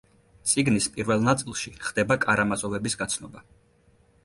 წიგნის პირველ ნაწილში ხდება კარამაზოვების გაცნობა.